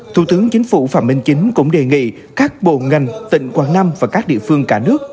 thủ tướng chính phủ phạm minh chính cũng đề nghị các bộ ngành tỉnh quảng nam và các địa phương cả nước